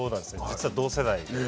実は同世代で。